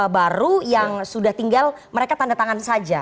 baru yang sudah tinggal mereka tanda tangan saja